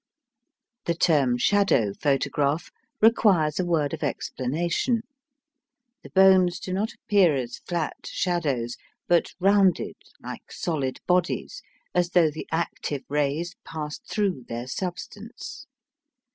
The term "shadow" photograph requires a word of explanation. The bones do not appear as flat shadows, but rounded like solid bodies, as though the active rays passed through their substance.